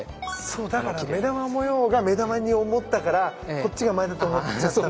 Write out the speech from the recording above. そうだから目玉模様が目玉に思ったからこっちが前だと思っちゃったんだ。